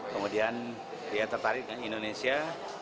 kemudian dia tertarik dengan indonesia